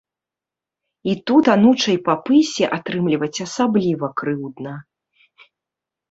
І тут анучай па пысе атрымліваць асабліва крыўдна.